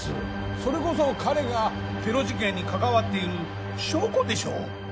それこそ彼がテロ事件に関わっている証拠でしょう